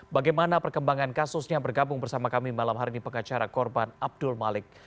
bagaimana perkembangan kasusnya bergabung bersama kami malam hari ini pengacara korban abdul malik